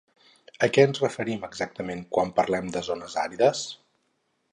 A què ens referim exactament quan parlem de zones àrides?